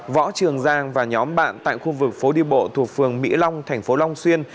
võ trường giang và nhóm bạn tại khu vực phố đi bộ thuộc phường mỹ long thành phố long xuyên